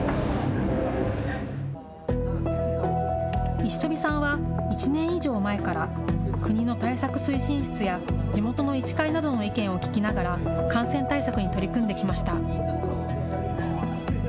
石飛さんは１年以上前から、国の対策推進室や地元の医師会などの意見を聞きながら、感染対策に取り組んできました。